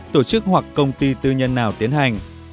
tổ chức hoặc công ty tư nhân nào tiến hành